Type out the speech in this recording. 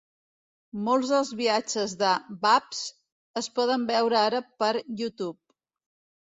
Molts dels viatges de Babbs es poden veure ara per YouTube.